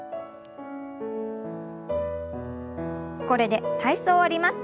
これで体操を終わります。